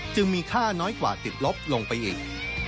มีค่าน้อยกว่าติดลบลงไปอีก